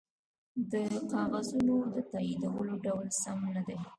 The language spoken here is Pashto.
د کاغذونو د تاویدو ډول سم نه دی